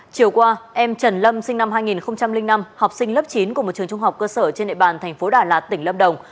chiều qua em trần lâm sinh năm hai nghìn năm học sinh lớp chín của một trường trung học cơ sở trên địa bàn thành phố đà lạt tỉnh lâm đồng